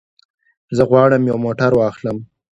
زه غواړم یو موټر واخلم.